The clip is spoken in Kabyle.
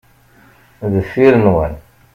Deffir nwen.